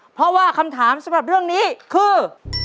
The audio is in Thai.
เพราะว่าคำถามสำหรับเรื่องนี้คือ